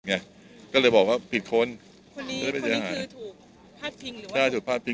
ไงก็เลยบอกว่าผิดคนคนนี้คือถูกพาดพิงหรือว่าแก้ถูกพลาดพิง